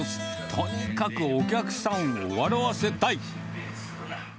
とにかくお客さんを笑わせたい。